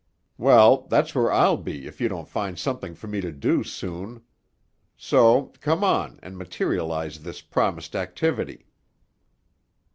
"Well, that's where I'll be if you don't find something for me to do soon. So, come on, and materialize this promised activity."